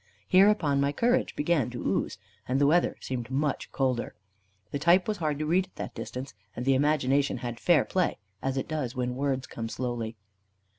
Hereupon my courage began to ooze, and the weather seemed much colder. The type was hard to read at that distance, and the imagination had fair play, as it does when words come slowly.